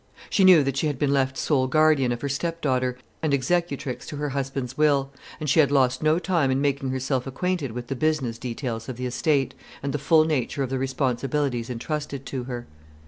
She knew that she had been left sole guardian of her stepdaughter, and executrix to her husband's will; and she had lost no time in making herself acquainted with the business details of the estate, and the full nature of the responsibilities intrusted to her.